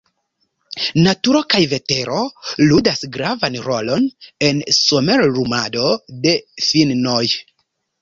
Naturo kaj vetero ludas gravan rolon en somerumado de finnoj.